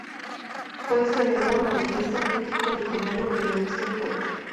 Fue historiador, novelista, crítico literario, periodista y poeta.